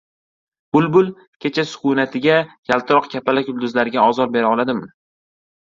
Bulbul — kecha sukunatiga, yaltiroq kapalak yulduzlarga ozor bera oladimi?